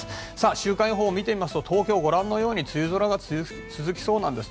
週間予報を見てみますと東京はご覧のように梅雨空が続きそうなんです。